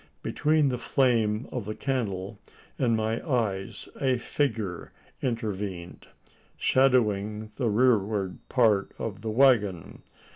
Between the flame of the candle and my eyes a figure intervened, shadowing the rearward part of the waggon.